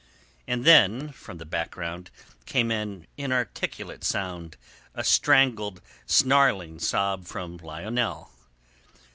And then from the background came an inarticulate sound, a strangled, snarling sob from Lionel.